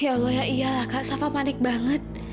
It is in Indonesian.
ya allah ya iyalah kak sava panik banget